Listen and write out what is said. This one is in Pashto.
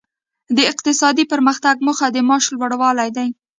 د اقتصادي پرمختګ موخه د معاش لوړوالی دی.